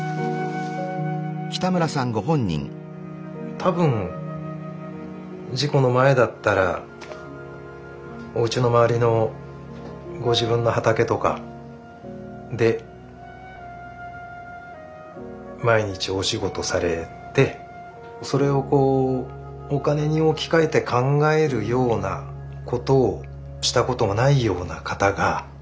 多分事故の前だったらおうちの周りのご自分の畑とかで毎日お仕事されてそれをこうお金に置き換えて考えるようなことをしたことがないような方が。